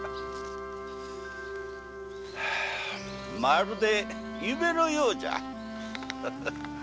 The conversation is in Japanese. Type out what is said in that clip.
まるで夢のようじゃ。